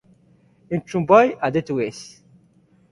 Entzun bai, aditu ez.